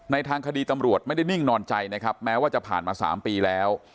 ทางคดีตำรวจไม่ได้นิ่งนอนใจนะครับแม้ว่าจะผ่านมา๓ปีแล้ว